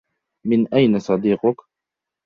من أين صديقك؟